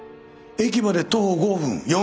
駅まで徒歩５分。